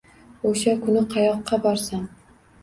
Oʻsha kuni qayoqqa borsam.